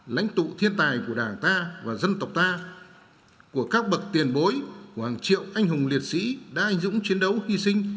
lãnh tụ thiên tài của đảng ta và dân tộc ta của các bậc tiền bối của hàng triệu anh hùng liệt sĩ đã anh dũng chiến đấu hy sinh